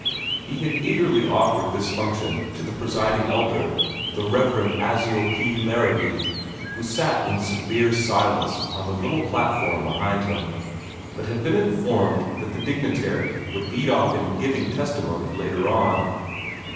He had eagerly offered this function to the Presiding Elder, the Rev. Aziel P. Larrabee, who sat in severe silence on the little platform behind him, but had been informed that the dignitary would lead off in giving testimony later on.